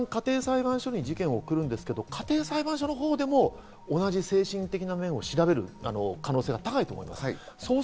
いったん家庭裁判所に事件を送るんですけど家庭裁判所のほうでも同じ精神的な面を調べる可能性が高いと思います。